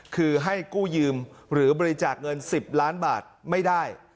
คือให้กู้ยืมหรือบริจาคเงิน๑๐ล้านบาทไม่ได้